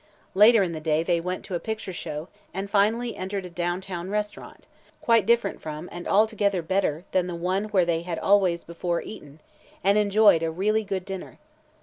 Later in the day they went to a picture show and finally entered a down town restaurant, quite different from and altogether better than the one where they had always before eaten, and enjoyed a really good dinner.